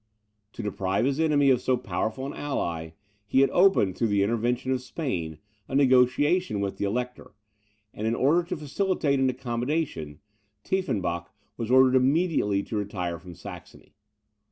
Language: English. To deprive his enemy of so powerful an ally, he had opened, through the intervention of Spain, a negociation with the Elector; and in order to facilitate an accommodation, Tiefenbach was ordered immediately to retire from Saxony.